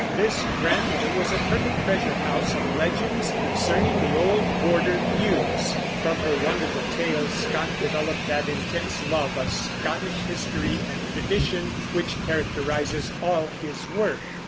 This grandmother was a perfect treasure house of legends concerning the old Border feuds. From her wonderful tales Scott developed that intense love of Scottish history and tradition which characterizes all his work.